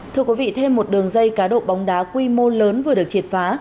thưa quý vị thêm một đường dây cá độ bóng đá quy mô lớn vừa được triệt phá